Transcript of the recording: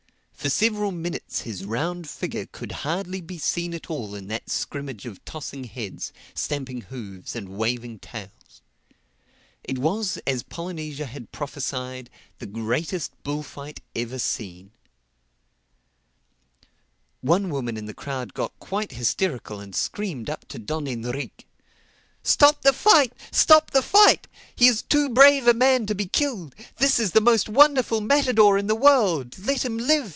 For several minutes his round figure could hardly be seen at all in that scrimmage of tossing heads, stamping hoofs and waving tails.—It was, as Polynesia had prophesied, the greatest bullfight ever seen. One woman in the crowd got quite hysterical and screamed up to Don Enrique, "Stop the fight! Stop the fight! He is too brave a man to be killed. This is the most wonderful matador in the world. Let him live!